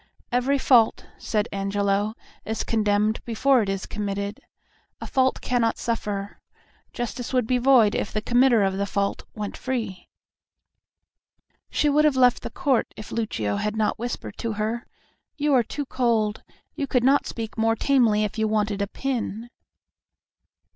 "Every fault," said Angelo, "is condemned before it is committed. A fault cannot suffer. Justice would be void if the committer of a fault went free." She would have left the court if Lucio had not whispered to her, "You are too cold; you could not speak more tamely if you wanted a pin."